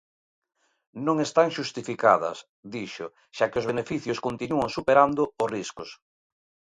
Non están xustificadas, dixo, xa que "os beneficios continúan superando os riscos".